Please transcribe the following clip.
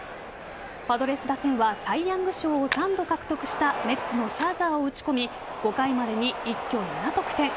パドレス打線はサイ・ヤング賞を３度獲得したメッツのシャーザーを打ち込み５回までに一挙７得点。